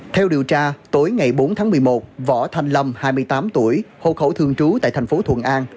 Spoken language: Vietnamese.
theo điều tra tối ngày bốn tháng một mươi một võ thanh lâm hai mươi tám tuổi hộ khẩu thường trú tại thành phố thuận an